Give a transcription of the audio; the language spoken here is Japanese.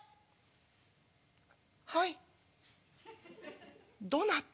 「はいどなた？」。